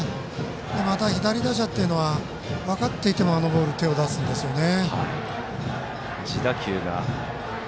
また左打者は分かっていてもあのボールに手を出すんですよね。